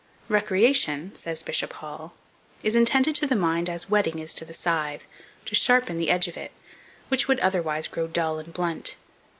"Recreation," says Bishop Hall, "is intended to the mind as whetting is to the scythe, to sharpen the edge of it, which would otherwise grow dull and blunt.